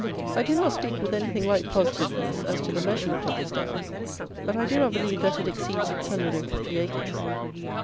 I do not speak with anything like positiveness as to the measurement of this down; but I do not believe that it exceeds six hundred and fifty acres.